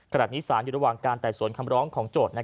ขณะนี้สารอยู่ระหว่างการไต่สวนคำร้องของโจทย์